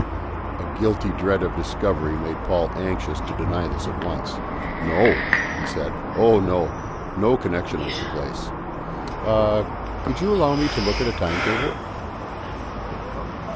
A guilty dread of discovery made Paul anxious to deny this at once. "No," he said; "oh no; no connection with the place. Ah, could you allow me to look at a time table?"